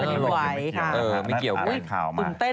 สนับสนุนโดยดีที่สุดคือการให้ไม่สิ้นสุด